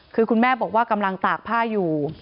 คือคุณแม่บอกว่ากำลังตากผ้าอยู่